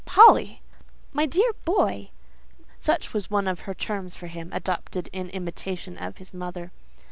"Polly!" "My dear boy!" (such was one of her terms for him, adopted in imitation of his mother.)